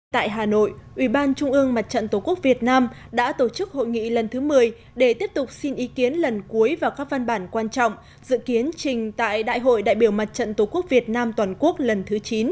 tại hà nội ủy ban trung ương mặt trận tổ quốc việt nam đã tổ chức hội nghị lần thứ một mươi để tiếp tục xin ý kiến lần cuối vào các văn bản quan trọng dự kiến trình tại đại hội đại biểu mặt trận tổ quốc việt nam toàn quốc lần thứ chín